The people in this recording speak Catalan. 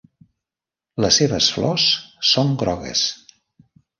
Les seves flors són grogues.